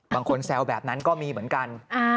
แซวแบบนั้นก็มีเหมือนกัน